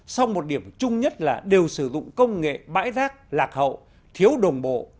sau một điểm chung nhất là đều sử dụng công nghệ bãi rác lạc hậu thiếu đồng bộ